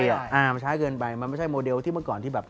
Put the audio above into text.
มันช้าเกินไปมันไม่ใช่โมเดลที่เมื่อก่อนที่แบบ